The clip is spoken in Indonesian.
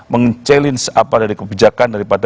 menge challenge apa dari kebijakan daripada